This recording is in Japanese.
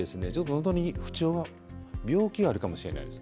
本当に不調が病気があるかもしれないです。